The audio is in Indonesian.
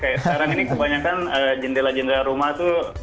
kayak sekarang ini kebanyakan jendela jendela rumah tuh